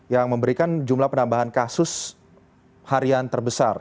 yang memberikan jumlah penambahan kasus harian terbesar